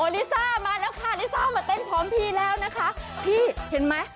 ลิซ่ามาแล้วค่ะลิซ่ามาเต้นพร้อมพี่แล้วนะคะพี่เห็นไหม